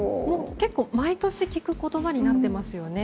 結構、毎年聞く言葉になってますよね。